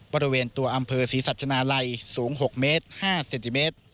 บริเวณตัวอำเภอศรีสัชนาลัยสูง๖เมตร๕เซนติเมตร